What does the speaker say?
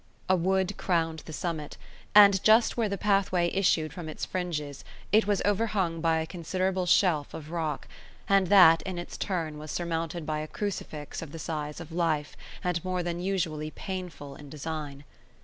A wood crowned the summit; and just where the pathway issued from its fringes, it was overhung by a considerable shelf of rock, and that, in its turn, was surmounted by a crucifix of the size of life and more than usually painful in design.